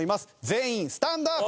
全員スタンドアップ！